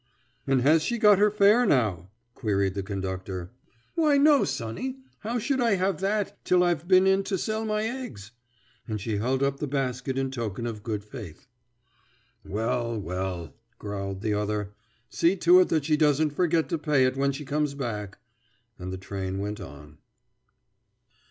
"And has she got her fare, now?" queried the conductor. "Why, no, sonny; how should I have that till I've been in to sell my eggs?" and she held up the basket in token of good faith. "Well, well," growled the other, "see to it that she doesn't forget to pay it when she comes back." And the train went on.